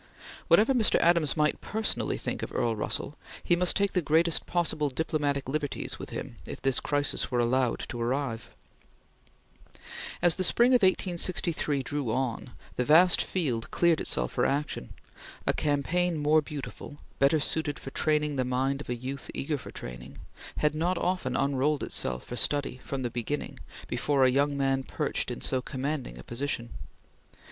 Whatever Mr. Adams might personally think of Earl Russell, he must take the greatest possible diplomatic liberties with him if this crisis were allowed to arrive. As the spring of 1863 drew on, the vast field cleared itself for action. A campaign more beautiful better suited for training the mind of a youth eager for training has not often unrolled itself for study, from the beginning, before a young man perched in so commanding a position.